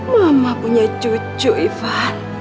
mama punya cucu ivan